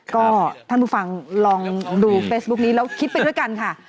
ก็ท่านผู้ฟังลองดูเฟซบุ๊คนี้แล้วคิดไปด้วยกันค่ะ